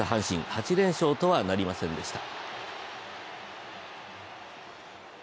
８連勝とはなりませんでした。